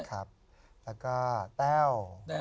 แล้วก็แต้ว